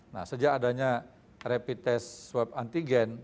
nah sejak adanya rapid test swab antigen